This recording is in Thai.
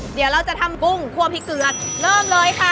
เดี๋ยวเราจะทำกุ้งคั่วพริกเกลือเริ่มเลยค่ะ